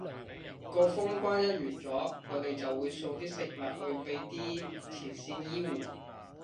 個封關一完咗，我哋就會送啲食物去畀啲前線醫護